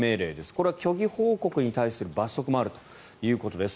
これは虚偽報告に対する罰則もあるということです。